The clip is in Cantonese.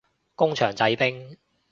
工場製冰